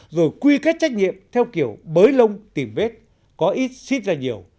rồi quy kết trách nhiệm theo kiểu bới lông tìm vết có ít xít ra nhiều